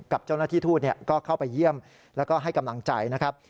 กับเจ้าหน้าที่ทูตก็เข้าไปเยี่ยมแล้วก็ให้กำลังใจนะครับ